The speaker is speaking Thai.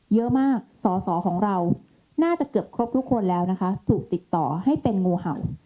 เยอะมากสอสอของเราน่าจะเกือบครบทุกคนแล้วนะคะถูกติดต่อให้เป็นงูเห่า